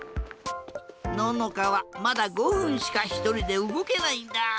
ののかはまだ５ふんしかひとりでうごけないんだ。